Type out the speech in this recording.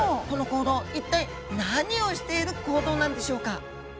この行動一体何をしている行動なんでしょうか？